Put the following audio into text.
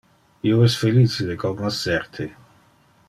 Io es felice de cognoscer te.